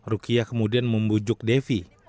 rukiah kemudian membujuk devi